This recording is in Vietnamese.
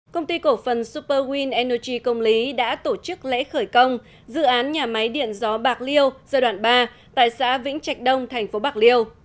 công ty cổ phần super winoty công lý đã tổ chức lễ khởi công dự án nhà máy điện gió bạc liêu giai đoạn ba tại xã vĩnh trạch đông thành phố bạc liêu